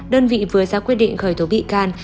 đơn vị vừa ra quyết định khởi tố bị can